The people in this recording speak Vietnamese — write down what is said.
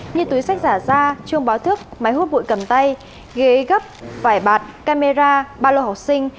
như túi sách giả da chuông báo thức máy hút bụi cầm tay ghế gấp vải bạt camera ba lô học sinh